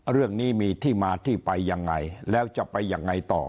เรื่องนี้มีที่มาที่ไปยังไงแล้วจะไปยังไงต่อ